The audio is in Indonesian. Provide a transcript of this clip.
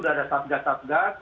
sudah ada satgas satgas